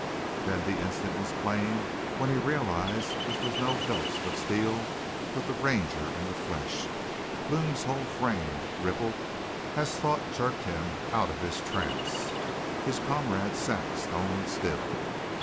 "Then the instant was plain when he realized this was no ghost of Steele, but the Ranger in the flesh. Blome's whole frame rippled as thought jerked him out of his trance. His comrades sat stone still.